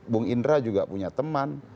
bung indra juga punya teman